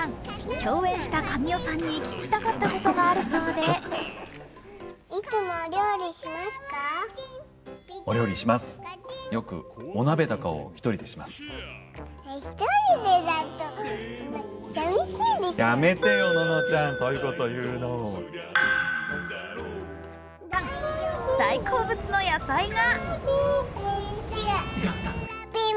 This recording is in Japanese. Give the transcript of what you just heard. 共演した神尾さんに聞きたかったことがあるそうで大好物の野菜が？